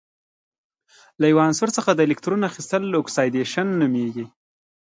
له یو عنصر څخه د الکترون اخیستل اکسیدیشن نومیږي.